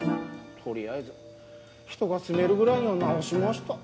取りあえず人が住めるぐらいには直しました。